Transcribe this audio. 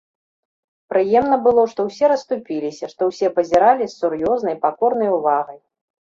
Прыемна было, што ўсе расступіліся, што ўсе пазіралі з сур'ёзнай, пакорнай увагай.